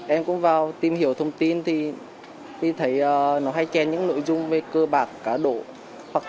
em cũng vào tìm hiểu thông tin thì thấy nó hay khen những nội dung về cơ bạc cá đổ